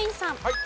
はい。